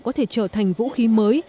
có thể trở thành vũ khí mới